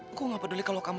aku gak peduli kalau kamu